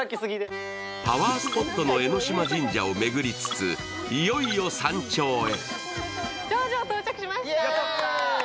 パワースポットの江島神社を巡りつつ、いよいよ山頂へ。